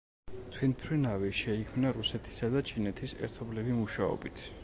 თვითმფრინავი შეიქმნა რუსეთისა და ჩინეთის ერთობლივი მუშაობით.